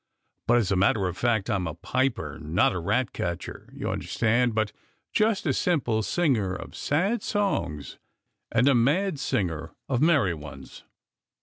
But, as a matter of fact, I'm a piper, not a rat catcher, you understand, but just a simple singer of sad songs, and a mad singer of merry ones."